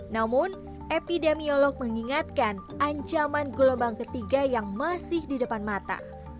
namun epidemiolog mengingatkan ancaman gelombang ketiga yang masih di depan mata